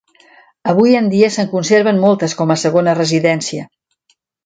Avui en dia se'n conserven moltes com a segona residència.